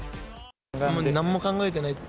なんも考えてない。